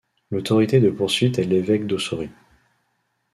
L'autorité de poursuite est l'évêque d'Ossory.